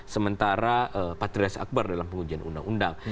sementara patrialis akbar dalam pengujian undang undang